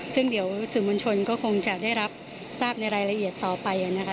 ซึ่งเดี๋ยวสื่อมวลชนก็คงจะได้รับทราบในรายละเอียดต่อไปนะคะ